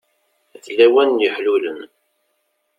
D lawan n yeḥlulen.